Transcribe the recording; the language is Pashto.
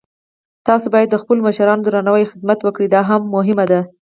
تاسو باید د خپلو مشرانو درناوی او خدمت وکړئ، دا مهم ده